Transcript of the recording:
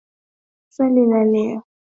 Swali la Leo Maswali na Majibu na Salamu Zenu